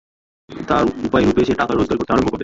তার উপায়রূপে সে টাকা রোজগার করতে আরম্ভ করে।